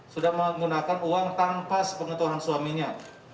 sudah menggunakan uang tanpa sepengetahuan suaminya